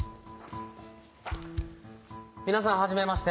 皆さんはじめまして。